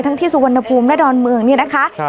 ที่สุวรรณภูมิและดอนเมืองนี่นะคะ